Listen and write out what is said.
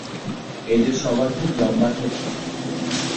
এদের সবার খুব লম্বা ঠোঁট থাকে।